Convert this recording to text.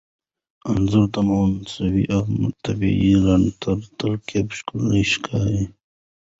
انځور د مصنوعي او طبیعي رڼا تر ترکیب ښکلا ښيي.